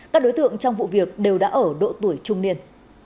các đối tượng trong vụ việc đều đã ở độ tuổi trung niên